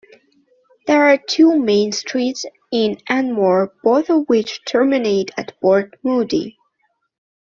There are two main streets in Anmore both of which terminate at Port Moody.